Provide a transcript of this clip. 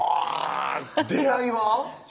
出会いは？